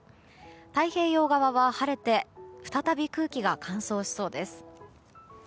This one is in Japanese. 太平洋側は晴れて再び空気が乾燥しそうです。